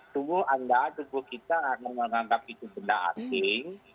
semua anda tubuh kita akan menganggap itu benda asing